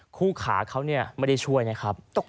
คู่ขาเขาไม่ได้ช่วยนะครับ